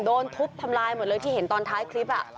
โดนทุบทำลายหมดเลยที่เห็นตอนท้ายคลิป